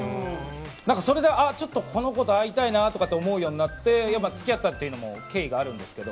それで、この子と会いたいなと思うようになって付き合ったという経緯があるんですけど。